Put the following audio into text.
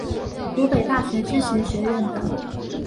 湖北大学知行学院等